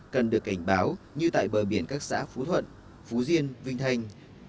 cần được cảnh báo như tại bờ biển các xã phú thuận phú diên vinh thành